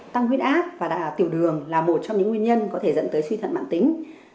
tăng huyết áp và tiểu đường là một trong những nguyên nhân có thể dẫn tới suy thận mạng tính